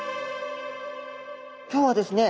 今日はですね